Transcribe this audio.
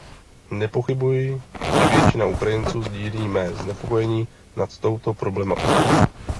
Nepochybuji, že většina Ukrajinců sdílí mé znepokojení nad touto problematikou.